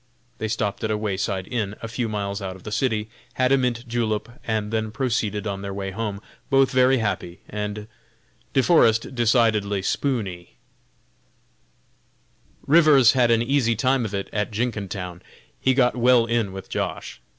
They stopped at a wayside inn a few miles out of the city, had a mint julep, and then proceeded on their way home, both very happy, and De Forest decidedly spooney. Rivers had an easy time of it at Jenkintown. He got well in with Josh.